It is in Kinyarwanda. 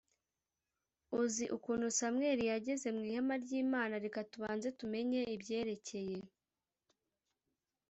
uzi ukuntu Samweli yageze mu ihema ry Imana Reka tubanze tumenye ibyerekeye